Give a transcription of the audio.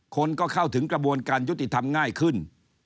คนก็เข้าถึงกระบวนการยุติธรรมง่ายขึ้น